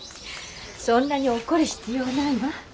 そんなに怒る必要ないわ。